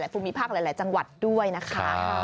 ภูมิภาคหลายจังหวัดด้วยนะคะ